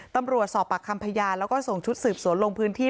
ตำรวจสอบปากคำพยานแล้วก็ส่งชุดสืบสวนลงพื้นที่